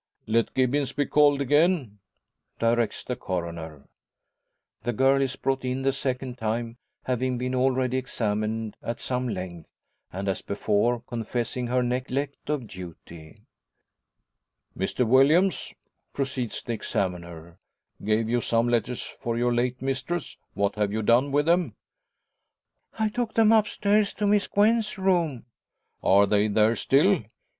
"Let Gibbons be called again!" directs the Coroner. The girl is brought in the second time, having been already examined at some length, and, as before, confessing her neglect of duty. "Mr Williams," proceeds the examiner, "gave you some letters for your late mistress. What have you done with them?" "I took them upstairs to Miss Gwen's room." "Are they there still?"